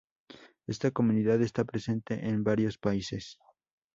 Esta comunidad, esta presente en varios países.